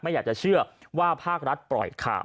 อยากจะเชื่อว่าภาครัฐปล่อยข่าว